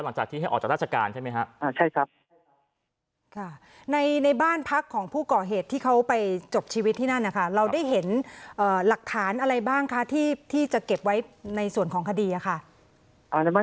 หลังจากที่ให้ออกจากราชการใช่ไหมครับ